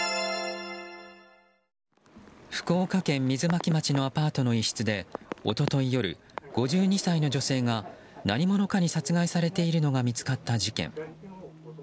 福岡県水巻町のアパートの一室で一昨日夜、５２歳の女性が何者かに殺害されているのが見つかった事件。